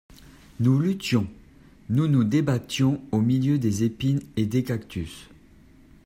Nous luttions, nous nous débattions au milieu des épines et des cactus.